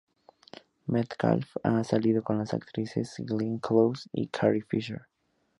Metcalf ha salido con las actrices Glenn Close y Carrie Fisher.